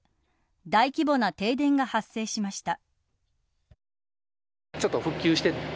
大規模な停電が発生しました。